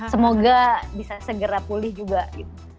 semoga bisa segera pulih juga gitu